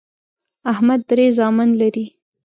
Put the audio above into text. احمد درې زامن لري